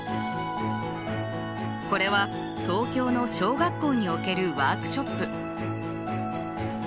これは東京の小学校におけるワークショップ。